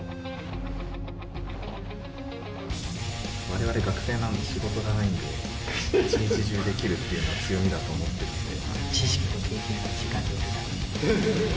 我々学生なんで仕事がないんで１日中できるっていうのは強みだと思ってるんで。